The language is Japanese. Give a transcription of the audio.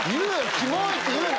「キモい！」って言うな。